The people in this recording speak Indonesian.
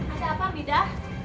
ada apa mida